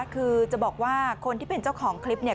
คือจะบอกว่าคนที่เป็นเจ้าของคลิปเนี่ย